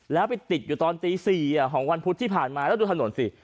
แล้วไปติดอยู่ตอนตี๔ของวันพุธที่ผ่านมาแล้วดูถนนสิ